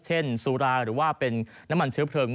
สุราหรือว่าเป็นน้ำมันเชื้อเพลิง